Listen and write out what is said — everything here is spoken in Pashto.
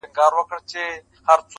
شمع به واخلي فاتحه د جهاني د نظم.!